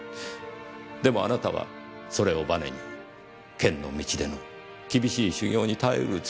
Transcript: でもあなたはそれをバネに剣の道での厳しい修行に耐えうる強さをお持ちです。